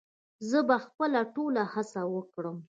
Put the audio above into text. زه به خپله ټوله هڅه وکړم